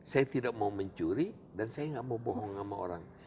saya tidak mau mencuri dan saya nggak mau bohong sama orang